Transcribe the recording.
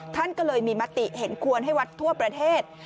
ท่านก็เลยมีมติเห็นควรให้วัดทั่วประเทศ